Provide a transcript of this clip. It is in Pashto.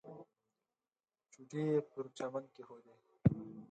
چوټې یې پر چمن کېښودې.